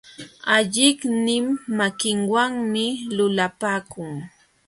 Alliqnin makinwanmi lulapakun.